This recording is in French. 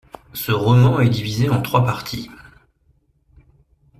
Ce roman est divisé en trois parties.